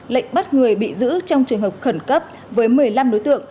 lệnh bắt người bị giữ trong trường hợp khẩn cấp với một mươi năm đối tượng